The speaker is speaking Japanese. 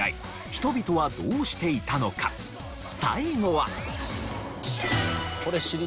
最後は。